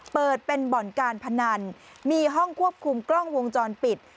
เปิดเป็นบ่อนการพนันมีห้องควบคุมกล้องวงจรปิด